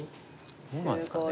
どうなんですかね。